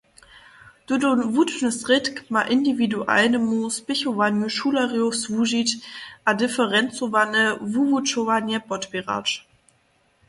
Tutón wučbny srědk ma indiwidualnemu spěchowanju šulerjow słužić a diferencowane wuwučowanje podpěrać.